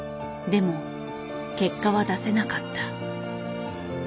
でも結果は出せなかった。